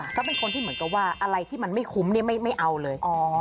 เพราะเป็นคนที่เหมือนกับว่าอะไรที่มันไม่คุ้มไม่เอาเลย